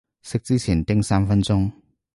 食之前叮三分鐘